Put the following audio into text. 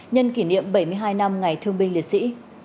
nhân kỷ niệm bảy mươi hai năm ngày thương binh liệt sĩ